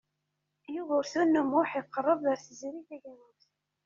Yugurten U Muḥ iqerreb ar Tiziri Tagawawt.